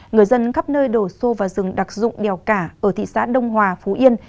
người dân khắp nơi đổ xô vào rừng đặc dụng đèo cả ở thị xã đông hòa phú yên